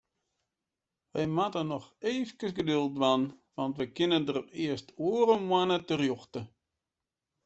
Wy moatte noch eefkes geduld dwaan, want we kinne dêr earst oare moanne terjochte.